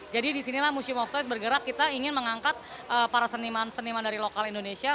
jadi disinilah museum of toys bergerak kita ingin mengangkat para seniman seniman dari lokal indonesia